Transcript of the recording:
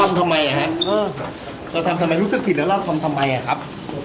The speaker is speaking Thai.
เราทำทำไมอ่ะครับ